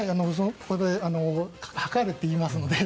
ここで測れと言いますので。